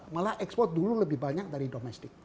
malah ekspor dulu lebih banyak dari domestik